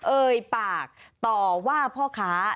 เอ่ยปากต่อว่าพ่อค้า